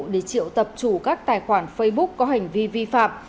để triệu tập chủ các tài khoản facebook có hành vi vi phạm